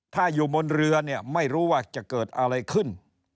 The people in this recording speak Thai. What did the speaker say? ถ้าอยู่บนเรือเนี่ยไม่รู้ว่าจะเกิดอะไรขึ้น